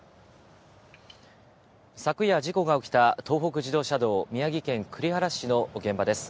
昨夜事故が起きた東北自動車道、宮城県栗原市の現場です。